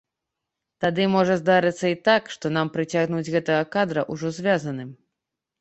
Тады можа здарыцца і так, што нам прыцягнуць гэтага кадра ўжо звязаным.